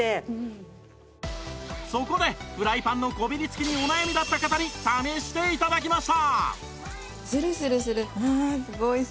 そこでフライパンのこびりつきにお悩みだった方に試して頂きました